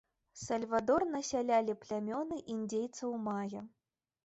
Сальвадор насялялі плямёны індзейцаў мая.